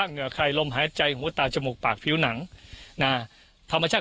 เหงื่อใครลมหายใจหัวตาจมูกปากผิวหนังนะธรรมชาติ